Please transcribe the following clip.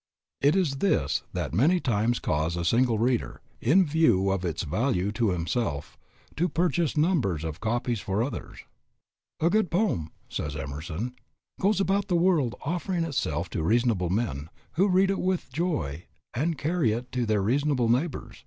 It is this that many times causes a single reader, in view of its value to himself, to purchase numbers of copies for others. "A good poem," says Emerson, "goes about the world offering itself to reasonable men, who read it with joy and carry it to their reasonable neighbors.